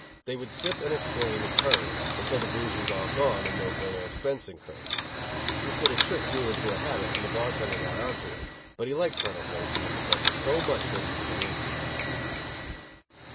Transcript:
They would sip and exclaim in turn, until the booze was all gone, and no further expense incurred. This little trick grew into a habit, and the bar tender got on to it, but he liked Colonel Brace and the Professor so much that he used to wink at it.